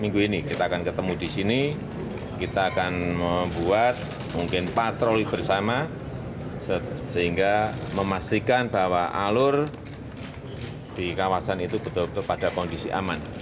minggu ini kita akan ketemu di sini kita akan membuat mungkin patroli bersama sehingga memastikan bahwa alur di kawasan itu betul betul pada kondisi aman